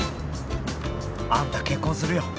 あんた結婚するよ。